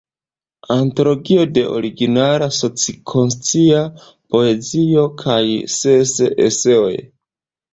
Antologio de originala soci-konscia poezio kaj ses eseoj.